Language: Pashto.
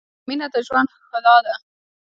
مینه د ژوند ښلا ده